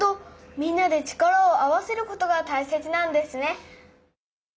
みんなで力を合わせることがたいせつなんですね。